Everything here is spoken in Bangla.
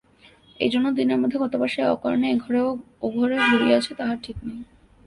এইজন্য দিনের মধ্যে কতবার সে অকারণে এ ঘরে ও ঘরে ঘুরিয়াছে তাহার ঠিক নাই।